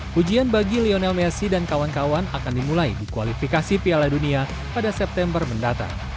pujian bagi lionel messi dan kawan kawan akan dimulai di kualifikasi piala dunia pada september mendatang